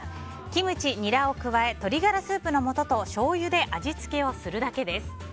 キムチ、ニラを加え鶏ガラスープの素としょうゆで味付けするだけです。